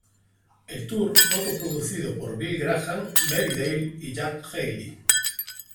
El tour fue coproducido por Bill Graham, Mary Daly y Jack Healey.